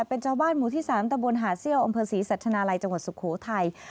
เป็นเจ้าบ้านหมู่ที่๓ตะบนหาเซียวอศิษย์สัตว์ธนาลัยจังหวัดสุโขทัย